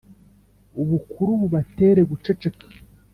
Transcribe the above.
Ubukuru bubatera guceceka,